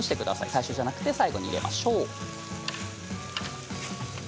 最初ではなくて最後に入れましょう。